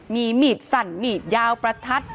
มีมีดสั่นมีดยาวประทัด